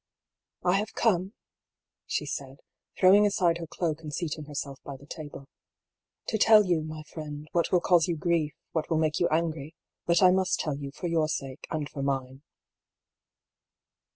^^ I have come," she said, throwing aside her cloak and seat ing herself by the table, " to tell you, my friend, what will cause you grief, what will make you angry. But I must tell you, for your sake, and for mine."